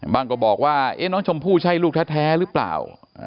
ก็บอกว่าน้องชมพู่ใช่ลูกแท้หรือเปล่า